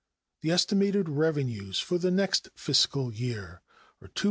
The estimated revenues for the next fiscal year are $269,250,000.